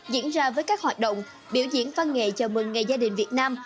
diễn ra với các hoạt động biểu diễn văn nghệ chào mừng ngày gia đình việt nam